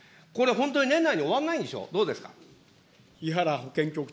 本当に年内に終わんないんでしょう、どうですか。